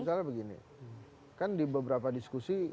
misalnya begini kan di beberapa diskusi